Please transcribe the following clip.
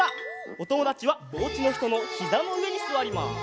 おともだちはおうちのひとのひざのうえにすわります。